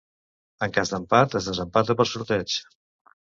En cas d'empat, es desempata per sorteig.